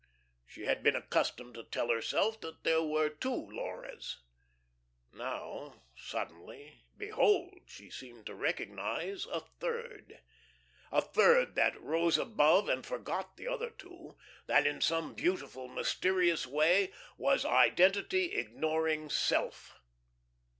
She had been accustomed to tell herself that there were two Lauras. Now suddenly, behold, she seemed to recognise a third a third that rose above and forgot the other two, that in some beautiful, mysterious way was identity ignoring self.